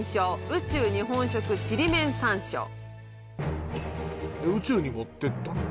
宇宙に持ってったの？